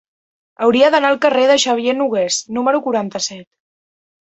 Hauria d'anar al carrer de Xavier Nogués número quaranta-set.